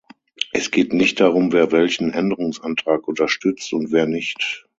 Es geht nicht darum, wer welchen Änderungsantrag unterstützt und wer nicht.